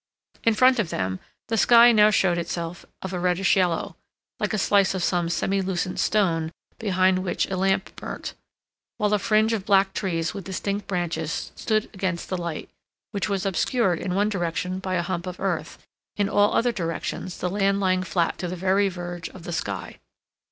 In front of them the sky now showed itself of a reddish yellow, like a slice of some semilucent stone behind which a lamp burnt, while a fringe of black trees with distinct branches stood against the light, which was obscured in one direction by a hump of earth, in all other directions the land lying flat to the very verge of the sky.